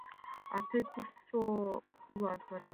— А тый кусо улат вара?